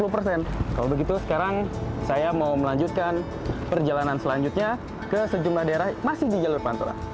kalau begitu sekarang saya mau melanjutkan perjalanan selanjutnya ke sejumlah daerah masih di jalur pantura